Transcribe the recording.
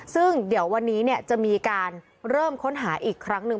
ซึ่งเดี๋ยววันนี้จะมีการเริ่มค้นหาอีกครั้งหนึ่ง